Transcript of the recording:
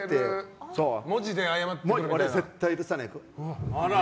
絶対に許さない。